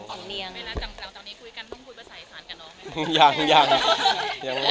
เวลาจำกล่าวตอนนี้คุยกันต้องพูดภาษาอีสานกันออกไหม